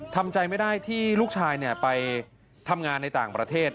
ทำใจไม่ได้ที่ลูกชายไปทำงานในต่างประเทศ